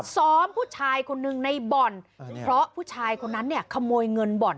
ซ้อมผู้ชายคนนึงในบ่อนเพราะผู้ชายคนนั้นขโมยเงินบ่อน